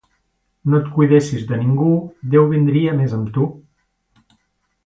No et cuidessis de ningú, Déu vindria més amb tu.